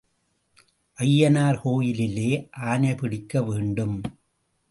ஐயனார் கோயிலிலே ஆனை பிடிக்க வேண்டும்.